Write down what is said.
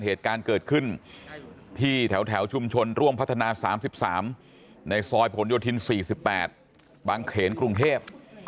เหตุการณ์เกิดขึ้นที่แถวชุมชนร่วมพัฒนา๓๓ในซอยผลโยธิน๔๘บางเขนกรุงเทพ